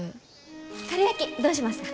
かるやきどうしますか？